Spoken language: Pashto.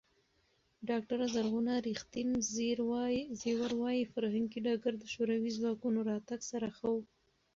ډاکټره زرغونه ریښتین زېور وايي، فرهنګي ډګر د شوروي ځواکونو راتګ سره ښه و.